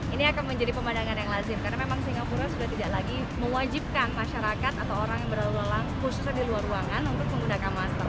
ini akan menjadi pemandangan yang lazim karena memang singapura sudah tidak lagi mewajibkan masyarakat atau orang yang berlalu lalang khususnya di luar ruangan untuk menggunakan masker